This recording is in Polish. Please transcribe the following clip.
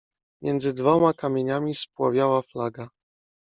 Między dwoma kamieniami spłowiała flaga.